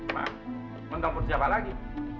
mak mau nombor siapa lagi